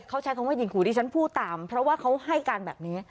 เขาใช้คำว่ายิงขู่ที่ฉันพูดตามเพราะว่าเขาให้การแบบนี้